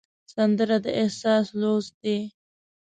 سندره د احساس لوست دی